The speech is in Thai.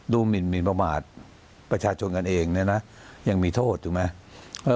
หมินประมาทประชาชนกันเองเนี่ยนะยังมีโทษถูกไหม